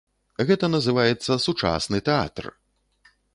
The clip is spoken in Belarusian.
Гэта называецца сучасны тэатр!